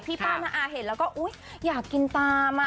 พี่ป้ามาอาเหตุแล้วก็อยากกินตาม